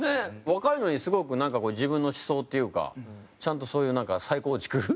若いのにすごくなんか自分の思想っていうかちゃんとそういうなんか再構築？